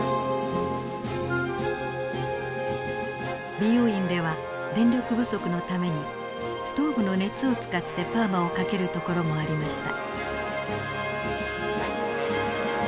美容院では電力不足のためにストーブの熱を使ってパーマをかけるところもありました。